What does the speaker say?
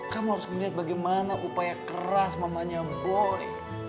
kamu harus melihat bagaimana upaya keras mamanya boy